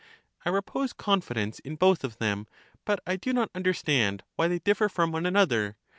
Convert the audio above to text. I repose confidence in both of them ; but I do not understand why they differ from one another.